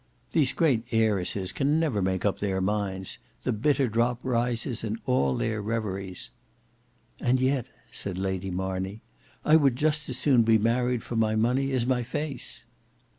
"These great heiresses can never make up their minds. The bitter drop rises in all their reveries." "And yet," said Lady Marney, "I would just as soon be married for my money as my face."